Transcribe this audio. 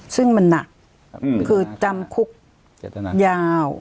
ซึ่งมันหนักคือจำคุกยาว